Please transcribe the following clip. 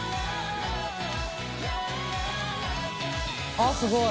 あっすごい！